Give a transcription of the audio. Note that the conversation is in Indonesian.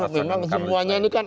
memang semuanya ini kan